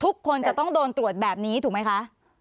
ทุกคนจะต้องโดนตรวจแบบนี้ถูกไหมคะ